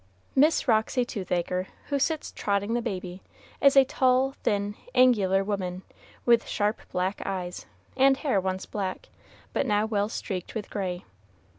Miss Roxy Toothacre, who sits trotting the baby, is a tall, thin, angular woman, with sharp black eyes, and hair once black, but now well streaked with gray.